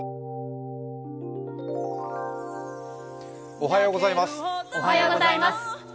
おはようございます。